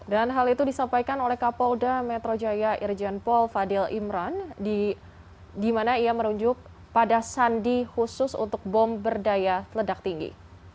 dan hal itu disampaikan oleh kapolda metro jaya irjenpol fadil imran di mana ia merunjuk pada sandi khusus untuk bom berdaya ledak tinggi